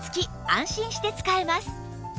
安心して使えます